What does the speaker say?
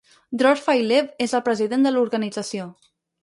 Dror Feiler és el president de l'organització.